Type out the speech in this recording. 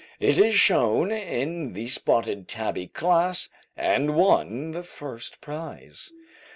It was shown in the spotted tabby class, and won the first prize.